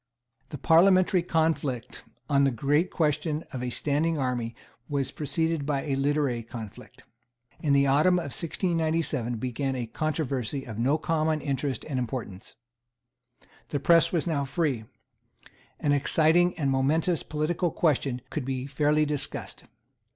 The parliamentary conflict on the great question of a standing army was preceded by a literary conflict. In the autumn of 1697 began a controversy of no common interest and importance. The press was now free. An exciting and momentous political question could be fairly discussed.